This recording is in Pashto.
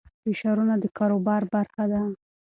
فشارونه د کاروبار برخه ده.